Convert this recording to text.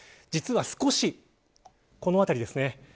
実は、少しこの辺りですね。